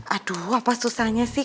aduh apa susahnya sih